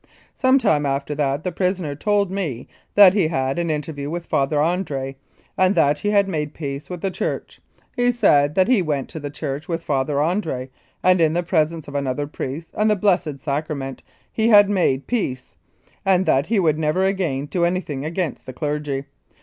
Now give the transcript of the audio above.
Some time after that the prisoner told me that he had an interview with Father Andre, and that he had made peace with the Church. He said that he went to the church with Father Andre", and in the presence of another priest and the Blessed Sacrament he had made peace, and that he would never again do anything against the clergy.